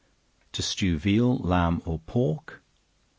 To Stew Veal, Lamb or Pork.